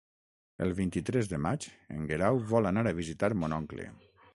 El vint-i-tres de maig en Guerau vol anar a visitar mon oncle.